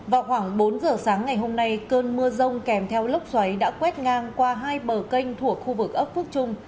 vào khoảng bốn giờ sáng ngày hôm nay cơn mưa rông kèm theo lốc xoáy đã quét ngang qua hai bờ kênh thuộc khu vực ấp phước trung